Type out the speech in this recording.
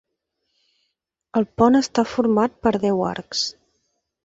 El pont està format per deu arcs.